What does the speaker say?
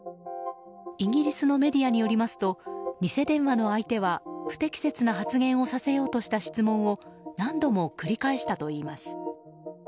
イギリスのメディアによりますと偽電話の相手は不適切な発言をさせようとした質問を何度も繰り返したといいます。